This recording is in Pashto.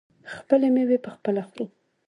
خپلې میوې پخپله خورو.